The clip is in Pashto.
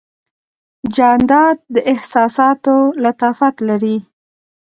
جانداد د احساساتو لطافت لري.